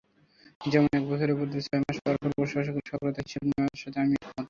যেমন এক বছরের বদলে ছয় মাস পরপর প্রশাসকের সক্রিয়তার হিসাব নেওয়ার সাথে আমি একমত।